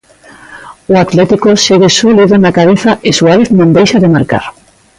O Atlético segue sólido na cabeza e Suárez non deixa de marcar.